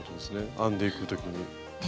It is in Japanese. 編んでいく時に。